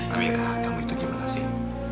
gewira kamu itu gimana sih